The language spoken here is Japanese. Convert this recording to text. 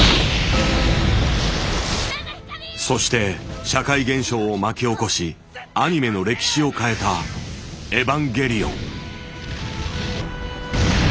そして社会現象を巻き起こしアニメの歴史を変えた「エヴァンゲリオン」。